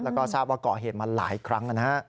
แล้วก็ทราบว่าก่อเหตุมาหลายครั้งนะฮะ